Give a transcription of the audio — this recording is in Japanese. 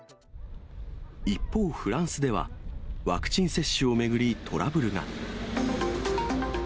一方、フランスでは、ワクチン接種を巡り、トラブルが。